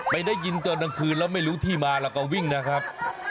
ได้ยินตอนกลางคืนแล้วไม่รู้ที่มาแล้วก็วิ่งนะครับ